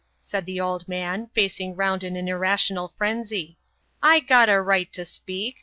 said the old man, facing round in an irrational frenzy. "I got a right to speak.